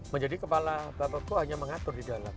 menjadi kepala bapak itu hanya mengatur di dalam